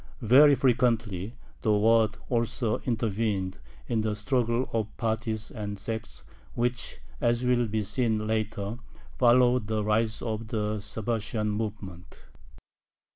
Very frequently the Waad also intervened in the struggle of parties and sects which, as will be seen later, followed the rise of the Sabbatian movement.